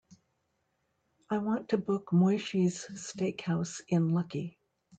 I want to book Moishes Steakhouse in Lucky.